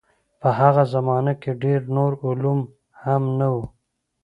په هغه زمانه کې ډېر نور علوم هم نه وو.